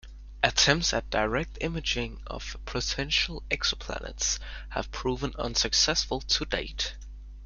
Attempts at direct imaging of potential exoplanets have proven unsuccessful to date.